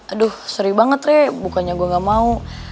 aduh seri banget re bukannya gue gak mau